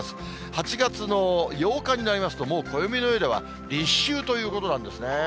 ８月の８日になりますと、もう暦のうえでは立秋ということなんですね。